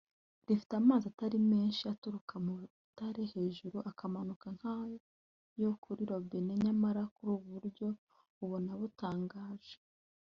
rifite amazi atari menshi aturuka mu Rutare hejuru akamanuka nkayo kuri robine nyamara ku buryo ubona butangaje